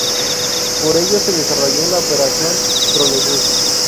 Por ello se desarrolló la Operación Trolebús.